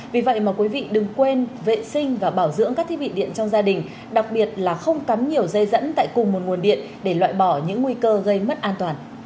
và bảo dưỡng các thiết bị điện trong gia đình đặc biệt là không cắm nhiều dây dẫn tại cùng một nguồn điện để loại bỏ những nguy cơ gây mất an toàn